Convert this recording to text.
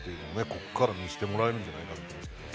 ここから見せてもらえるんじゃないかなと思うんですけどね